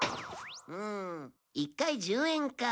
うん１回１０円か。